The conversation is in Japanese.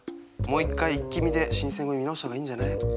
もう一回「イッキ見！」で「新選組！」見直した方がいいんじゃない？